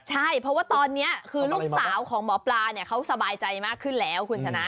ใช่เพราะว่าตอนนี้คือลูกสาวของหมอปลาเนี่ยเขาสบายใจมากขึ้นแล้วคุณชนะ